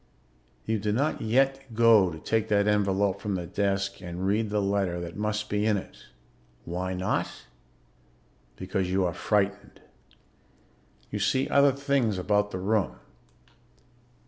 You do not yet go to take that envelope from the desk and read the letter that must be in it. Why not? Because you are frightened. You see other things about the room.